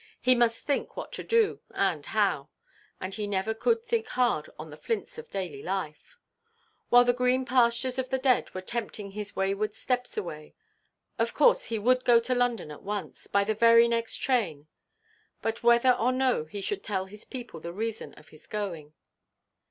He must think what to do, and how: and he never could think hard on the flints of daily life, while the green pastures of the dead were tempting his wayward steps away. Of course he would go to London at once, by the very next train; but whether or no should he tell his people the reason of his going?